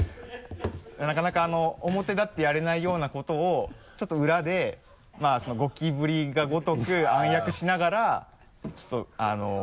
なかなか表だってやれないようなことをちょっと裏でまぁゴキブリがごとく暗躍しながらちょっとあの。